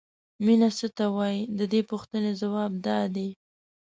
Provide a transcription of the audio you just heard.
مینه څه ته وایي د دې پوښتنې ځواب دا دی.